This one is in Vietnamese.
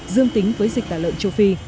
dương tính với dịch tả lợn châu phi